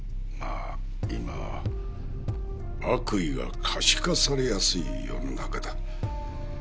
まあ今は悪意が可視化されやすい世の中だ。